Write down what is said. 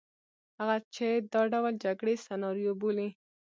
هغه چې دا ډول جګړې سناریو بولي.